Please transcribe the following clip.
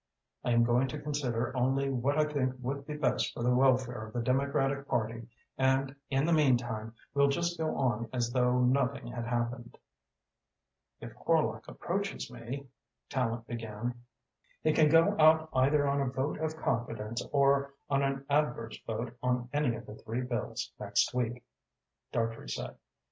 I am going to consider only what I think would be best for the welfare of the Democratic Party and in the meantime we'll just go on as though nothing had happened." "If Horlock approaches me," Tallente began "He can go out either on a vote of confidence or on an adverse vote on any of the three Bills next week," Dartrey said.